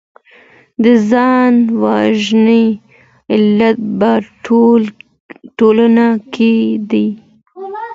د ځان وژنې علت په ټولنه کي دی.